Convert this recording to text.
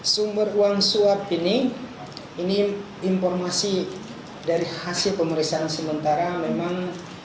sumber uang suap ini ini informasi dari hasil pemeriksaan sementara memang